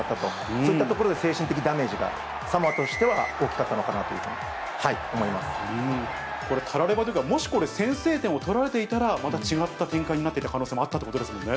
そういったところで精神的ダメージが、サモアとしては大きかったこれ、たらればですが、もしこれ、先制点を取られていたら、また違った展開になっていた可能性もあったということですよね。